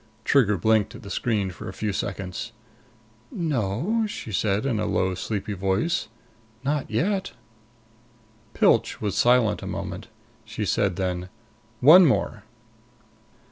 Trigger blinked at the screen for a few seconds. "No," she said in a low, sleepy voice. "Not yet." Pilch was silent a moment. She said then, "One more."